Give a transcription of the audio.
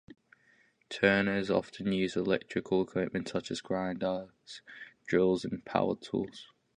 Turners often use electrical equipment such as grinders, drills, and power tools.